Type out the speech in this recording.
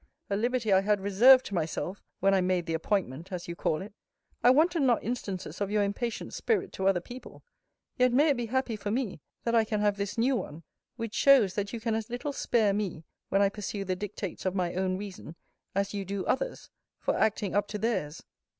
A liberty I had reserved to myself, when I made the appointment, as you call it. I wanted not instances of your impatient spirit to other people: yet may it be happy for me, that I can have this new one; which shows, that you can as little spare me, when I pursue the dictates of my own reason, as you do others, for acting up to theirs.